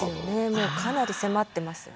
もうかなり迫ってますよ。